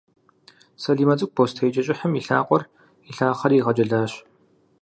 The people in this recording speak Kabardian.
Салимэ цӏыкӏу бостеикӏэ кӏыхьым и лъакъуэр илъахъэри игъэджэлащ.